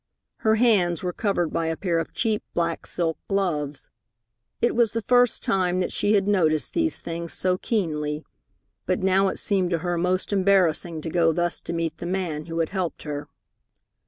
Her hands were covered by a pair of cheap black silk gloves. It was the first time that she had noticed these things so keenly, but now it seemed to her most embarrassing to go thus to meet the man who had helped her.